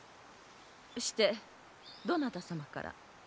してどなた様から。